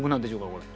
これ。